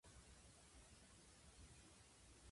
沖縄はスギ花粉がなくて快適